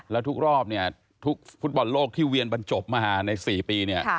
แล้วทุกรอบเนี่ยทุกฟุตบอลโลกที่เวียนบรรจบมาใน๔ปีเนี่ย